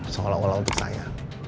seolah olah untuk saya